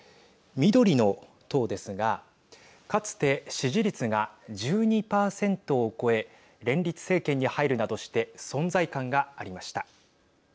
緑の党ですがかつて支持率が１２％を超え連立政権に入るなどして存在感がありました。